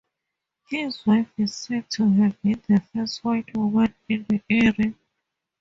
His wife is said to have been the first white woman in the area.